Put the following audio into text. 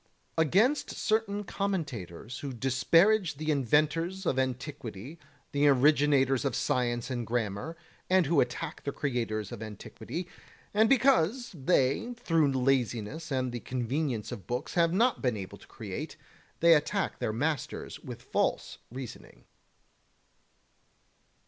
29. Against certain commentators who disparage the inventors of antiquity, the originators of science and grammar, and who attack the creators of antiquity; and because they through laziness and the convenience of books have not been able to create, they attack their masters with false reasoning.